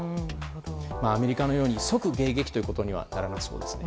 アメリカのように即迎撃ということにはならなそうですね。